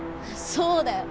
そうだよ。